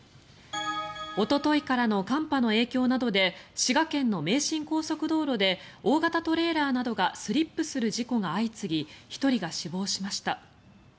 おとといからの寒波の影響などで滋賀県の名神高速道路で大型トレーラーなどがスリップする事故が相次ぎ１人が死亡しました。